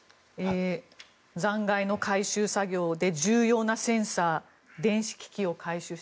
残骸の回収作業で重要なセンサー電子機器を回収した。